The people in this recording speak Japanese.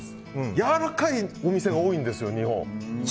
やわらかいお店が多いんですよ日本。